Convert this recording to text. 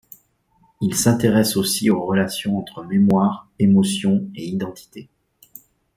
Il s’intéresse aussi aux relations entre mémoire, émotion et identité.